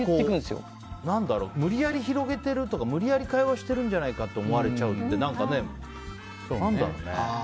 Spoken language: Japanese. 無理やり広げてるとか無理やり会話してるんじゃないかとかって思われちゃうって、何かね。